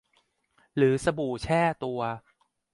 หรือสบู่แช่ตัว